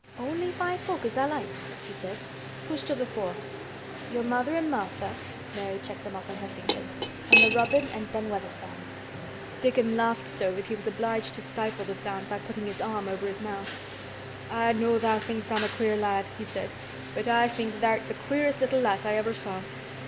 "Only five folk as tha' likes?" he said. "Who is th' other four?" "Your mother and Martha," Mary checked them off on her fingers, "and the robin and Ben Weatherstaff." Dickon laughed so that he was obliged to stifle the sound by putting his arm over his mouth. "I know tha' thinks I'm a queer lad," he said, "but I think tha' art th' queerest little lass I ever saw."